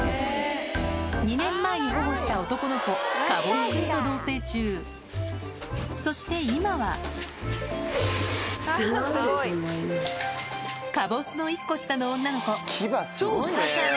２年前に保護した男の子かぼすくんと同棲中そして今はかぼすの１個下の女の子超シャシャ猫